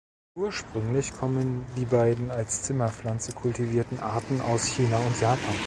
Ursprünglich kommen die beiden als Zimmerpflanze kultivierten Arten aus China und Japan.